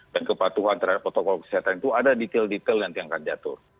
dan kepatuhan terhadap protokol kesehatan itu ada detail detail yang diangkat jatuh